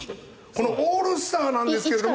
このオールスターなんですけれども。